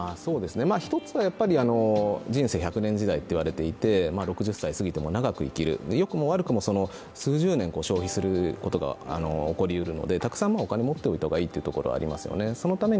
一つは人生１００年時代っていわれてて６０歳を過ぎても長く生きる、良くも悪くも数十年消費することが起こりうるのでたくさんお金持っておいた方がいいというところはありますよね。